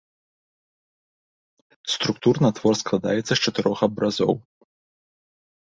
Структурна твор складаецца з чатырох абразоў.